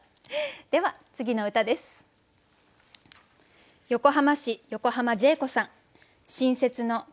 では次の歌です。